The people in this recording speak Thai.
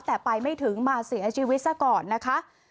แต่ไปไม่ถึงมาเสียชีวิตซะก่อนนะคะ